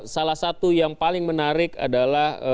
salah satu yang paling menarik adalah